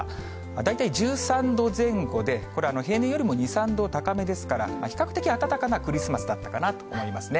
大体１３度前後で、これは平年よりも２、３度高めですから、比較的暖かなクリスマスだったかなと思いますね。